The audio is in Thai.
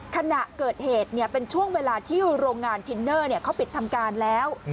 ขณะเกิดเหตุเป็นช่วงเวลาที่โรงงานทินเนอร์เขาปิดทำการแล้ว